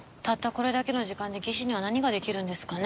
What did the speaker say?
これだけの時間で技師には何ができるんですかね。